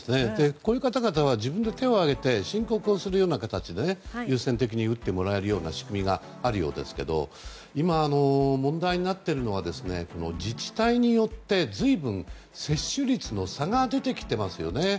こういう方々は自分で手を挙げて申告をするような形で優先的に打ってもらえるような仕組みがあるようですけど今、問題になっているのは自治体によって随分、接種率の差が出てきていますよね。